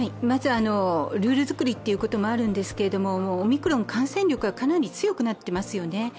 まず、ルール作りということもあるんですが、オミクロン、感染力がかなり強くなっていますよね。